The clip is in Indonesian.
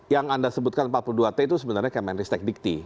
yang anda sebutkan empat puluh dua t itu sebenarnya kemenristek dikti